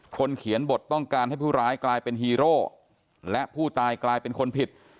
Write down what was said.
เขียนบทต้องการให้ผู้ร้ายกลายเป็นฮีโร่และผู้ตายกลายเป็นคนผิด